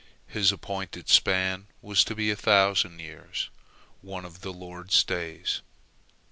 His appointed span was to be a thousand years, one of the Lord's days.